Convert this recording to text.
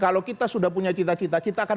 kalau kita sudah punya cita cita kita akan